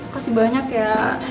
kasih banyak ya